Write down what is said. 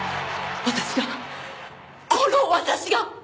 私がこの私が！！